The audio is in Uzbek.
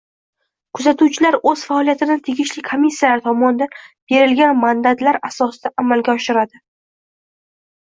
Kuzatuvchilar oʻz faoliyatini tegishli komissiyalar tomonidan berilgan mandatlar asosida amalga oshiradi.